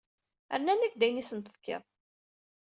Rran-ak-d ayen i asen-tefkiḍ.